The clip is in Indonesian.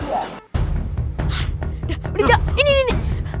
udah udah jalan ini ini